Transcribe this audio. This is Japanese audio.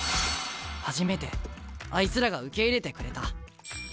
初めてあいつらが受け入れてくれた。